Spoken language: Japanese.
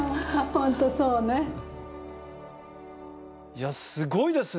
いやすごいですね。